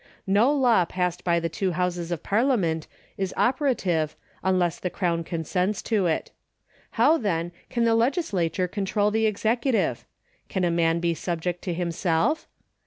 No law passed by the two Hotises of Parliament is operative unless the Crown consents to it. How, then, can the legislature control the executive ? Can a man be subject to himself